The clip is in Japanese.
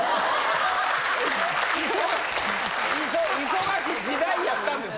忙しい時代やったんです。